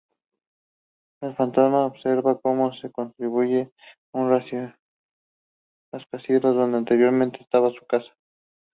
El fantasma observa cómo se construye un rascacielos donde anteriormente estaba su casa.